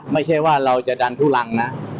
ไม่ใช่ว่าเราจะดันทุลังนะ